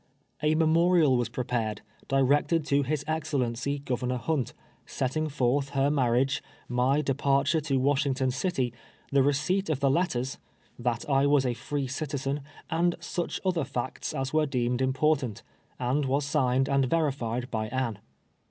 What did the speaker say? A memorial was prepared, directed to his excellen cy, Governor Hunt, setting forth her marriage, my departure to Washington city ; the receipt of the let ters ; that I was a free citizen, and sucli other facts as were deemed important, and was signed and verilied by Anne.